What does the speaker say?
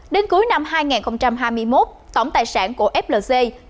đến cuối năm hai nghìn hai mươi một tổng tài sản của flc lên tới gần ba mươi bốn tỷ đồng